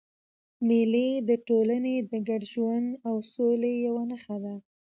مېلې د ټولني د ګډ ژوند او سولي یوه نخښه ده.